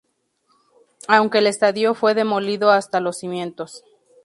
Aunque el estadio fue demolido hasta los cimientos.